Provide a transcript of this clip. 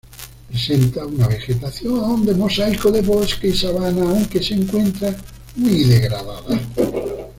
Presenta una vegetación de mosaico de bosque y sabana, aunque se encuentra muy degradada.